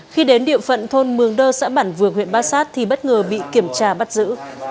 khi đến địa phận thôn mường đơ xã bản vược huyện bát sát thì bất ngờ bị kiểm tra bắt giữ